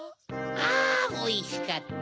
あおいしかった。